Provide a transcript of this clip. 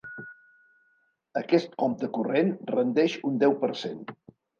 Aquest compte corrent rendeix un deu per cent.